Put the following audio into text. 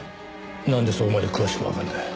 なんでそこまで詳しくわかるんだよ。